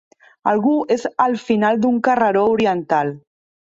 Algú és al final d'un carreró oriental.